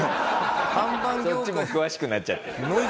そっちも詳しくなっちゃってる。